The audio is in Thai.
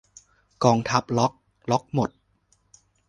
กองทัพล็อค ล็อคหมด